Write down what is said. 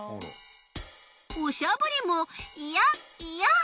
おしゃぶりもいやいや！